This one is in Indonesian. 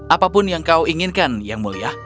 apapun yang kau inginkan yang mulia